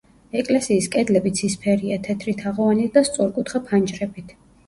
ეკლესიის კედლები ცისფერია, თეთრი თაღოვანი და სწორკუთხა ფანჯრებით.